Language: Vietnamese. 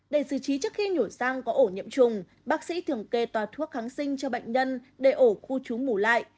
để xử trí trước khi nhổ sang có ổ nhiễm trùng bác sĩ thường kê tòa thuốc kháng sinh cho bệnh nhân để ổ khu trú ngủ lại